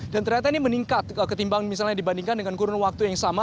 dan ternyata ini meningkat ketimbang misalnya dibandingkan dengan kurun waktu yang sama